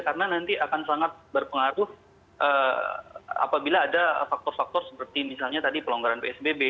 karena nanti akan sangat berpengaruh apabila ada faktor faktor seperti misalnya tadi pelonggaran psbb